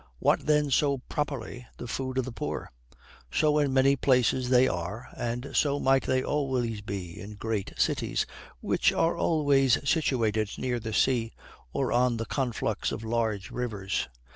What then so properly the food of the poor? So in many places they are, and so might they always be in great cities, which are always situated near the sea, or on the conflux of large rivers.